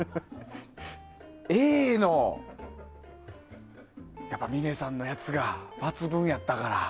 Ａの峰さんのやつが抜群やったから。